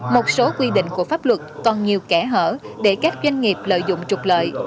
một số quy định của pháp luật còn nhiều kẻ hở để các doanh nghiệp lợi dụng trục lợi